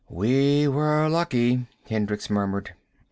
"We were lucky," Hendricks murmured.